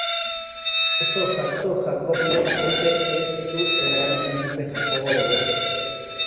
Por esto, Jacobo legalmente es Su Alteza Real príncipe Jacobo de Wessex.